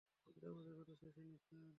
কিন্তু, আমাদের কথা শেষ হয়নি, স্যার!